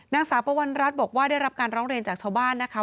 นางสาวปวัณรัฐบอกว่าได้รับการร้องเรียนจากชาวบ้านนะคะ